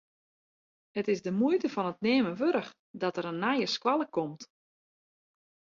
It is de muoite fan it neamen wurdich dat der in nije skoalle komt.